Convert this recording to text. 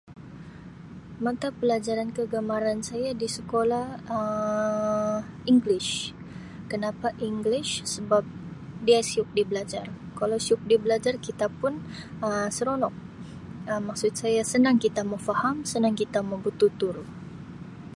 Mata pelajaran kegemaran saya di sekolah Um English kenapa english sebab dia siuk dibelajar kalau siuk dibelajar kita pun Um seronok maksud saya senang kita mau faham senang kita mau bertutur.